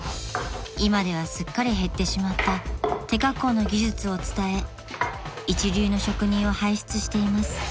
［今ではすっかり減ってしまった手加工の技術を伝え一流の職人を輩出しています］